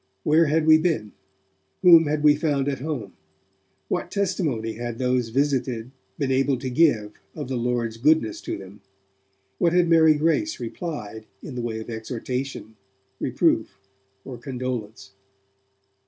Where had we been, whom had we found at home, what testimony had those visited been able to give of the Lord's goodness to them, what had Mary Grace replied in the way of exhortation, reproof or condolence?